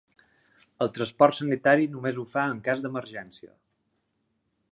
El transport sanitari només ho fa en cas d’emergència.